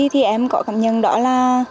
thì em có cảm nhận đó là